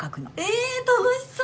え楽しそう！